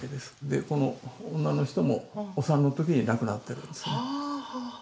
この女の人もお産の時に亡くなってるんですね。